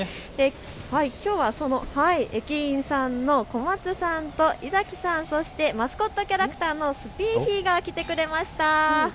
きょうはその駅員さんの小松さんと井崎さん、そしてマスコットキャラクターのスピーフィが来てくれました。